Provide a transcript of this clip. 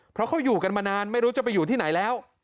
เพราะเขาอยู่กันมานานไม่รู้จะไปอยู่ที่ไหนแล้ว